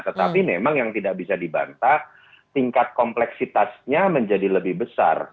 tetapi memang yang tidak bisa dibantah tingkat kompleksitasnya menjadi lebih besar